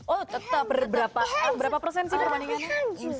oh tetap berapa persen sih perbandingannya